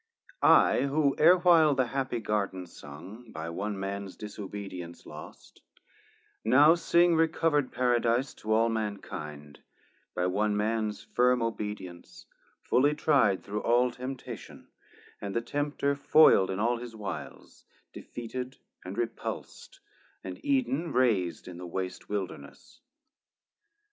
I WHO e're while the happy Garden sung, By one mans disobedience lost, now sing Recover'd Paradise to all mankind, By one mans firm obedience fully tri'd Through all temptation, and the Tempter foil'd In all his wiles, defeated and repuls't, And Eden rais'd in the wast Wilderness.